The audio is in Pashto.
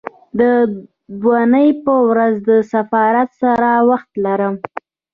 د دونۍ په ورځ د سفارت سره وخت لرم